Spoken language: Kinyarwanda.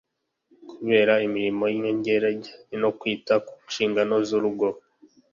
kubera imirimo y'inyongera ijyanye no kwita ku nshingano z'urugo